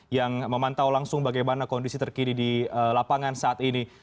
yang memantau langsung bagaimana kondisi terkini di lapangan saat ini